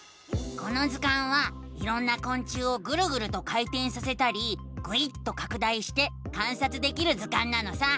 この図鑑はいろんなこん虫をぐるぐると回てんさせたりぐいっとかく大して観察できる図鑑なのさ！